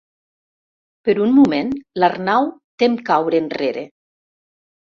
Per un moment l'Arnau tem caure enrere.